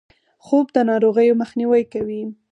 خوب د ناروغیو مخنیوی کوي